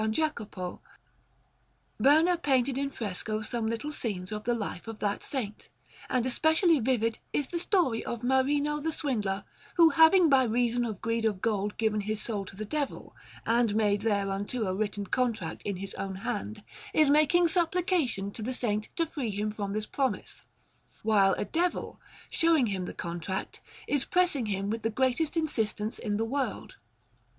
Jacopo, Berna painted in fresco some little scenes of the life of that Saint, and especially vivid is the story of Marino the swindler, who, having by reason of greed of gold given his soul to the Devil and made thereunto a written contract in his own hand, is making supplication to the Saint to free him from this promise, while a Devil, showing him the contract, is pressing him with the greatest insistence in the world.